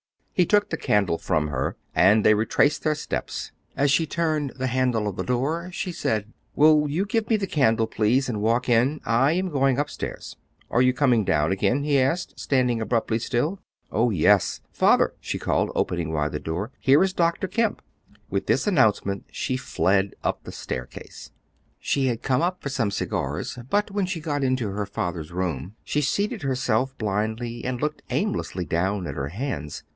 He took the candle from her, and they retraced their steps. As she turned the handle of the door, she said, "Will you give me the candle, please, and walk in? I am going upstairs." "Are you coming down again?" he asked, standing abruptly still. "Oh, yes. Father," she called, opening wide the door, "here is Dr. Kemp." With this announcement she fled up the staircase. She had come up for some cigars; but when she got into her father's room, she seated herself blindly and looked aimlessly down at her hands.